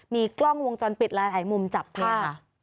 มีกล้องวงจรปิดละไหนมุมจับผ้า